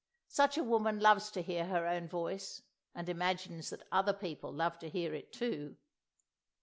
Such a woman loves to hear her own voice, and imagines that other people love to hear it too!